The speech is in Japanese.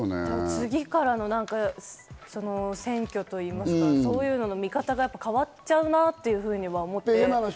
次からの選挙というのか、そういう見方が変わっちゃうなと思って。